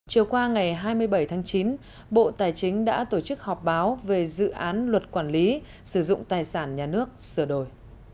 chiều qua ngày hai mươi bảy tháng chín bộ tài chính đã tổ chức họp báo về dự án luật quản lý sử dụng tài sản nhà nước sửa đổi